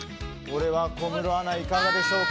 これは小室アナ、いかがでしょう。